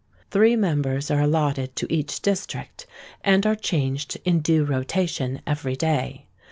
Three members are allotted to each district, and are changed in due rotation every day.